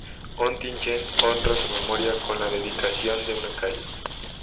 Ontinyent honra su memoria con la dedicación de una calle.